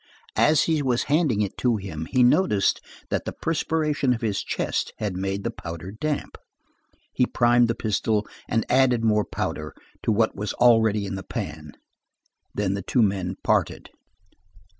As he was handing it to him, he noticed that the perspiration of his chest had made the powder damp. He primed the pistol and added more powder to what was already in the pan. Then the two men parted.